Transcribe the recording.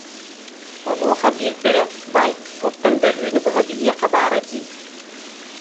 Онуоха биирдэрэ: «Бай, оттон бөлүүнү быһа биһиэхэ баара дии